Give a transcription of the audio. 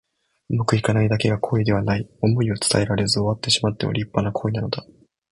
うまくいかないだけが恋ではない。想いを伝えられず終わってしまっても立派な恋なのだ。